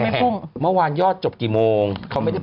คุณผู้ชมนะอันนี้ผู้สื่อข่าวเขารายงานจากอุ้มผางจังหวัดตาก